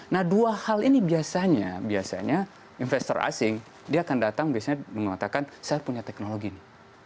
nah dua hal ini biasanya biasanya investor asing dia akan datang biasanya mengatakan saya punya teknologi ini